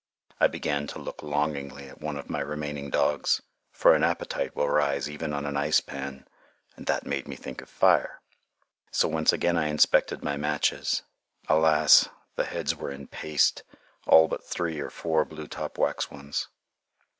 I began to look longingly at one of my remaining dogs, for an appetite will rise even on an ice pan, and that made me think of fire. So once again I inspected my matches. Alas! the heads were in paste, all but three or four blue top wax ones.